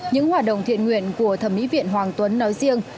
những hoạt động thiện nguyện của thẩm mỹ viện hoàng tuấn nói riêng